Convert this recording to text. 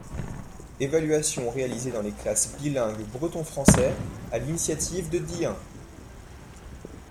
Évaluation réalisée dans les classes bilingues breton-français à l’initiative de Dihun.